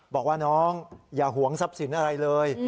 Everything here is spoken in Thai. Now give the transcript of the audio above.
บอกว่าน้องอย่าหวงทรัพย์สินอะไรเลย